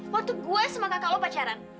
waktu gue sama kakak lo pacaran